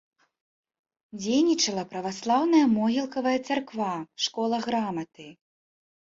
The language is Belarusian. Дзейнічала праваслаўная могілкавая царква, школа граматы.